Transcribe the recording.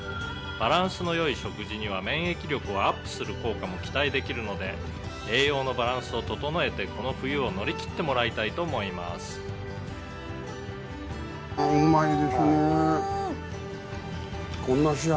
「バランスの良い食事には免疫力をアップする効果も期待できるので栄養のバランスを整えてこの冬を乗り切ってもらいたいと思います」ねえ